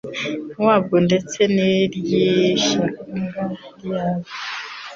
wabwo ndetse n'iry'ishyanga ryabwo.